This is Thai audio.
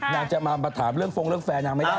นางจะมาประถามเรื่องฟงแล้วแฟนนางไม่ได้